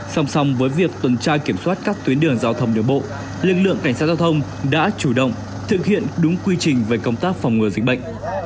song song với việc tuần tra kiểm soát các tuyến đường giao thông đường bộ lực lượng cảnh sát giao thông đã chủ động thực hiện đúng quy trình về công tác phòng ngừa dịch bệnh